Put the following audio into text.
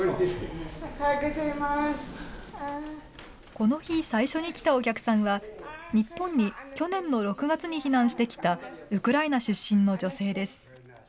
この日、最初に来たお客さんは、日本に去年の６月に避難してきたウクライナ出身の女性です。